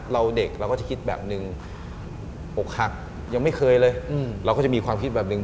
เด็กเราก็จะคิดแบบหนึ่งอกหักยังไม่เคยเลยเราก็จะมีความคิดแบบหนึ่ง